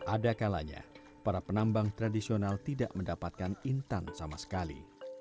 ada kalanya para penambang tradisional tidak mendapatkan intan sama sekali